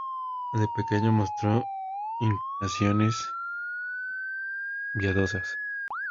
De pequeño mostró inclinaciones piadosas.